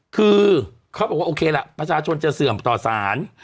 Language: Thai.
คือเขาบอกว่าโอเคล่ะประชาชนจะเสื่อมต่อสาร